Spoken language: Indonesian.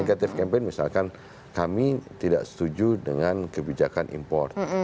negative campaign misalkan kami tidak setuju dengan kebijakan import